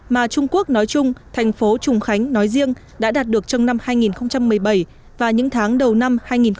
mà trung quốc nói chung thành phố trùng khánh nói riêng đã đạt được trong năm hai nghìn một mươi bảy và những tháng đầu năm hai nghìn một mươi tám